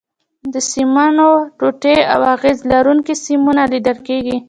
د سیمونو ټوټې او اغزي لرونکي سیمونه لیدل کېږي.